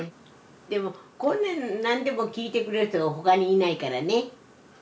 でもこんなに何でも聞いてくれる人はほかにいないからね。